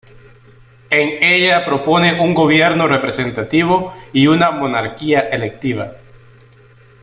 En ella propone un gobierno representativo y una monarquía electiva.